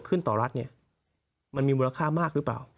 ขึ้นต่อรัฐมันมีมูลค่ามากหรือเปล่า